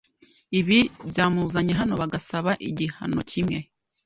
Ibi byamuzanye hano bagasaba igihano kimwe